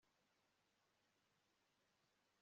nta muntu wambwiye ko yatsinzwe